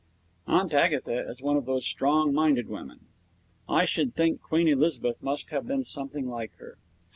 Aunt Agatha is one of those strong minded women. I should think Queen Elizabeth must have been something like her.